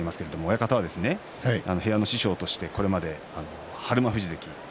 親方は部屋の師匠としてこれまで日馬富士関